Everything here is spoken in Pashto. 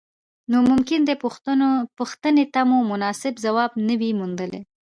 نو ممکن دې پوښتنې ته مو مناسب ځواب نه وي موندلی.